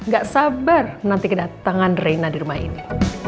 gak sabar nanti kedatangan rena di rumah ini